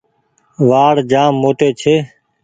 وآڙ جآم موٽي ڇي ۔